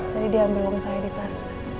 jadi dia ambil uang saya di tas